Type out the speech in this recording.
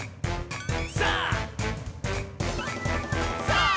さあ！